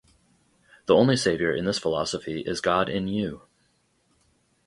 The only savior in this philosophy is God in you.